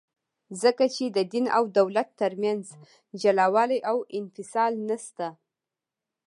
ځکه چي د دین او دولت ترمنځ جلاوالي او انفصال نسته.